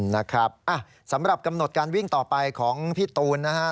นะครับสำหรับกำหนดการวิ่งต่อไปของพี่ตูนนะฮะ